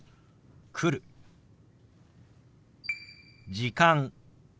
「時間」。